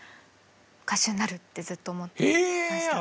歌手になるってずっと思ってました。